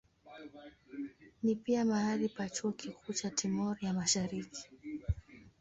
Ni pia mahali pa chuo kikuu cha Timor ya Mashariki.